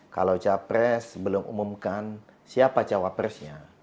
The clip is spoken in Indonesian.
kalau capres belum umumkan siapa cawapresnya